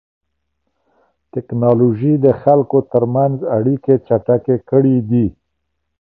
تکنالوژي د خلکو ترمنځ اړیکې چټکې کړې دي.